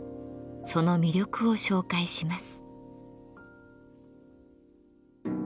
その魅力を紹介します。